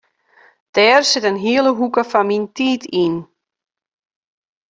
Dêr sit in hiele hoeke fan myn tiid yn.